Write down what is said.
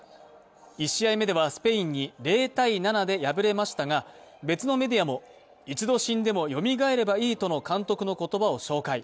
１試合目ではスペインに０−７で敗れましたが、別のメディアも、一度死んでもよみがえればいいとの監督の言葉を紹介。